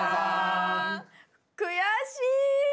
悔しい。